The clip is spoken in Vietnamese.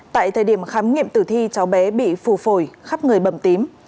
tại thời điểm khám nghiệm tử thi cháu bé bị phù phổi khắp người bầm tím